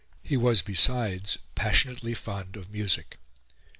He was, besides, passionately fond of music.